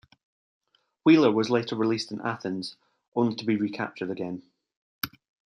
Wheeler was later released in Athens only to be recaptured again.